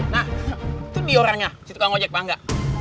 nah itu dia orangnya si tukang ojek pak angga